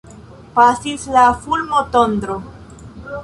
Pasis la fulmotondro.